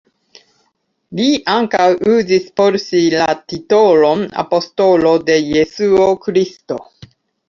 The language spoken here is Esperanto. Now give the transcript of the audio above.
Li ankaŭ uzis por si la titolon apostolo de Jesuo Kristo.